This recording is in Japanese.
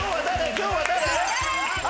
今日は誰？